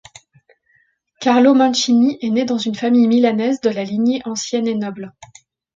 Carlo Mancini est né dans une famille milanaise de la lignée ancienne et noble.